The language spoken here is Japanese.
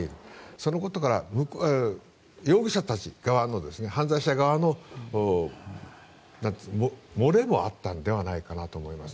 そのことから容疑者側、犯罪者側の漏れもあったのではないかなと思います。